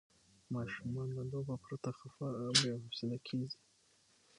ماشومان له لوبو پرته خفه او بې حوصله کېږي.